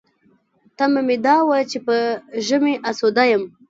تمه مې دا وه چې په ژمي اسوده یم.